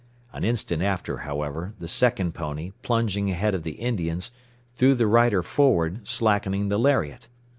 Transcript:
An instant after, however, the second pony, plunging ahead of the Indian's, threw the rider forward, slackening the lariat.